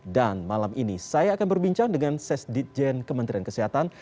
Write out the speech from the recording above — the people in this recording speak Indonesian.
dan malam ini saya akan berbincang dengan sesdikjen kementerian kesehatan